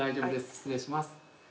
失礼します。